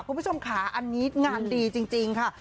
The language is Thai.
คุณผู้ชมค่ะอันนี้งานดีจริงค่ะ